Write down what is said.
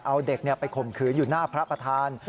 เอาเด็กไปข่มขืนอยู่หน้าพระประธาน